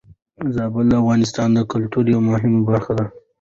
زابل د افغانستان د کلتور يوه مهمه برخه ده.